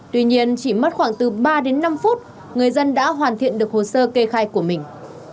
tuy nhiên chỉ mất khoảng từ ba đến năm phút người dân đã hoàn thiện được hồ sơ kê khai của mình